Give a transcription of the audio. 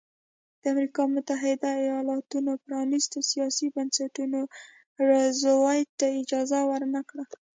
د امریکا متحده ایالتونو پرانیستو سیاسي بنسټونو روزولټ ته اجازه ورنه کړه.